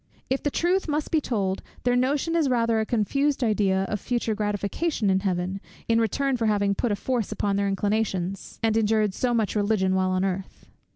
If the truth must be told, their notion is rather a confused idea of future gratification in Heaven, in return for having put a force upon their inclinations, and endured so much religion while on earth.